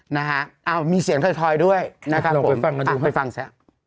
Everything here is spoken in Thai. นะฮะอ้าวมีเสียงถอยด้วยนะครับผมไปฟังซะ